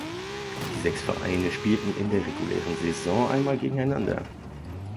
Die sechs Vereine spielten in der regulären Saison einmal gegeneinander.